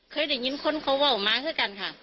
เคยได้ยินคนเขาเว้าม้าเท่ากันค่ะ